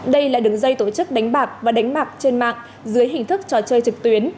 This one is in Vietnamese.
đây là đường dây tổ chức đánh bạc và đánh bạc trên mạng dưới hình thức trò chơi trực tuyến